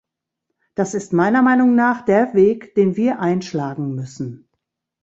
Das ist meiner Meinung nach der Weg, den wir einschlagen müssen.